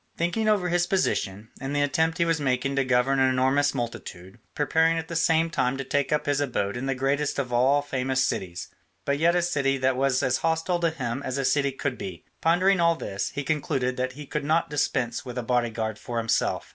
Thinking over his position, and the attempt he was making to govern an enormous multitude, preparing at the same time to take up his abode in the greatest of all famous cities, but yet a city that was as hostile to him as a city could be, pondering all this, he concluded that he could not dispense with a bodyguard for himself.